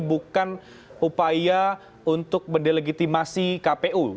bahwa ini bukan upaya untuk delegitimasi kpu